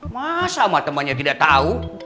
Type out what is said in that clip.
masa mah temannya tidak tau